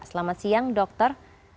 selamat siang dokter